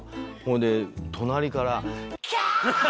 で隣から。